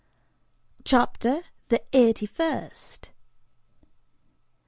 CHAPTER THE EIGHTY FIRST.